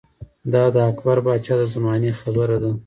دا د اکبر باچا د زمانې خبره ده